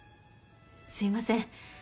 すいません。